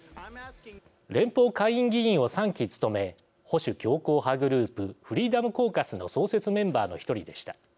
連邦下院議員を３期務め保守強硬派グループフリーダム・コーカスの創設メンバーの１人でした。